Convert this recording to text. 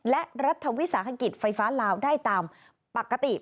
และรัฐวิสาหกิจไฟฟ้าลาวได้ตามปกติ